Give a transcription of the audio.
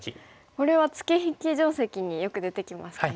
これはツケ引き定石によく出てきますかね。